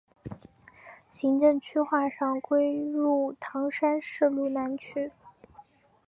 行政区划上归入唐山市路南区。